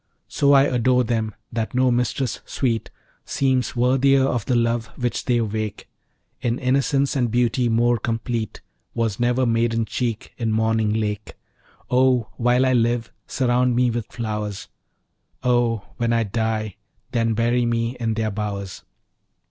So I adore them, that no mistress sweet Seems worthier of the love which they awake: In innocence and beauty more complete, Was never maiden cheek in morning lake. Oh, while I live, surround me with fresh flowers! Oh, when I die, then bury me in their bowers!